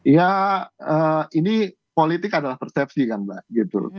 ya ini politik adalah persepsi kan mbak gitu